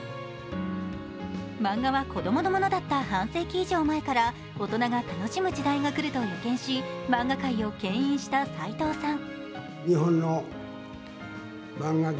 漫画は子供のものだった半世紀以上前から大人が楽しむ時代が来ると予見し、漫画界をけん引したさいとうさん。